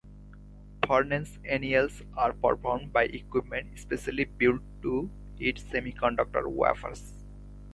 Furnace anneals are performed by equipment especially built to heat semiconductor wafers.